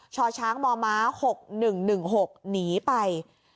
ชช้างมม๖๑๑๖หนีไป